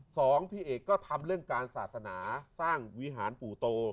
สองพี่เอกก็ทำเรื่องการศาสนาสร้างวิหารปู่โต